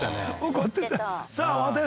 怒ってた。